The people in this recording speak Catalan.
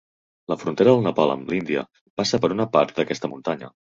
La frontera del Nepal amb l'Índia passa per una part d'aquesta muntanya.